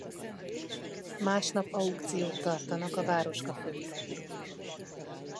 Másnap aukciót tartanak a városka főterén.